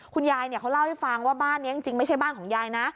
คุณยายเขาเล่าให้ฟังว่าบ้านนี้จริงไม่ใช่บ้านของยายนะ